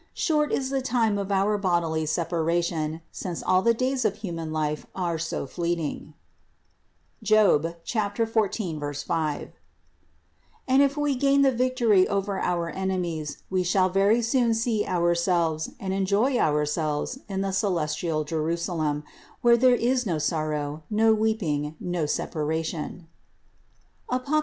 Short is the time of our bodily separation, since all the days of human life are so fleeting (Job 14, 5), and if we gain the victory over our enemies we shall very soon see our selves and enjoy ourselves in the celestial Jerusalem, where there is no sorrow, no weeping, no separation (Apoc.